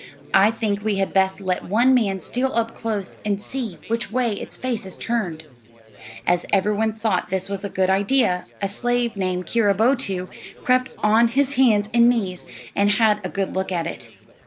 I think we had best let one man steal up close and see which way its face is turned." As every one thought this was a good idea, a slave named Keerobo'to crept on his hands and knees, and had a good look at it.